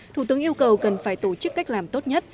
thủ tướng yêu cầu cần phải tổ chức cách làm tốt nhất